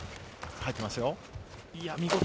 入っていますよ。